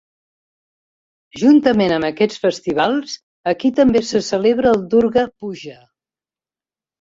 Juntament amb aquests festivals, aquí també se celebra el Durga Puja.